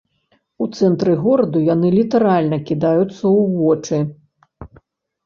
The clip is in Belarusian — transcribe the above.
У цэнтры гораду яны літаральна кідаюцца ў вочы.